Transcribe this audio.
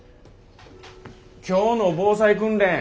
今日の防災訓練